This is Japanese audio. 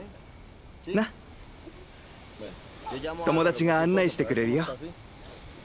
友達が案内してくれるよ。